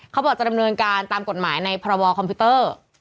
เขาบอกจะดำเนินการตามกฎหมายในพรบคอมพิวเตอร์